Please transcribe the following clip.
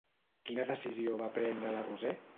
Quina decisió va prendre la Roser?